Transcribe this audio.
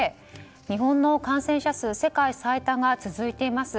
日本の感染者数が世界最多が続いています。